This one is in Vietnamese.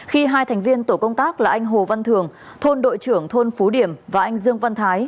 khi hai thành viên tổ công tác là anh hồ văn thường thôn đội trưởng thôn phú điểm và anh dương văn thái